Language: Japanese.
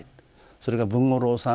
それから文五郎さん